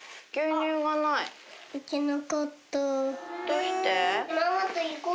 どうして？